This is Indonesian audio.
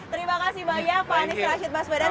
terima kasih banyak pak anies rashid baswedan